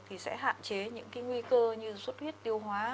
thì sẽ hạn chế những cái nguy cơ như suất huyết tiêu hóa